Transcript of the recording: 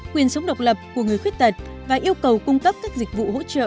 quyền sống độc lập của người khuyết tật và yêu cầu cung cấp các dịch vụ hỗ trợ